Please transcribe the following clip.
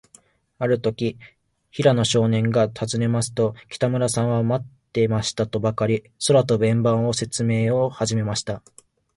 あるとき、平野少年がたずねますと、北村さんは、まってましたとばかり、空とぶ円盤のせつめいをはじめました。